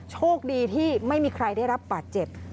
โชคดีที่ไม่มีใครได้รับบาดเจ็บ